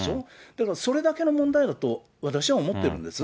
だからそれだけの問題だと、私は思ってるんです。